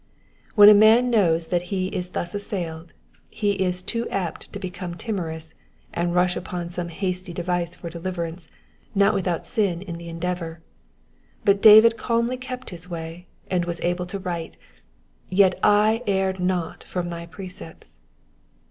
When a man knows that he is thus assailed, he is too apt to become timorous, and rush upon some hasty device for deliverance, not without sin in the endeavour ; but David calmly kept his way, and was able to write, '^Tet I erred not from thy vrecepts.